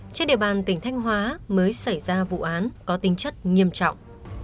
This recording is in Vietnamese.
trên địa bàn tỉnh thanh hóa mới xảy ra vụ án có tính chất nghiêm trọng